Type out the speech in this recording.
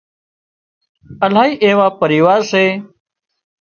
الاهي ايوا پريوار سي